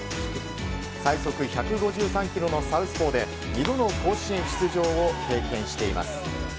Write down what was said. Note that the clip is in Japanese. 最速１５３キロのサウスポーで２度の甲子園出場を経験しています。